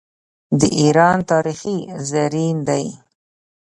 د ایران تاریخ زرین دی.